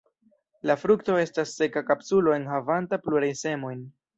La frukto estas seka kapsulo enhavanta plurajn semojn.